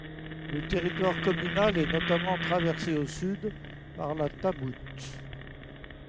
Le territoire communal est notamment traversé au sud par la Tamout.